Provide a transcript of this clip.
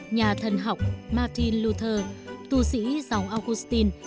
nhà thần học martin luther tù sĩ dòng augustine